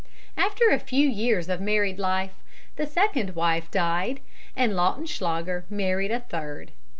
"After a few years of married life the second wife died, and Lautenschlager married a third.